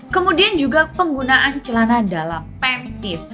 kemudian juga penggunaan celana dalam pemptive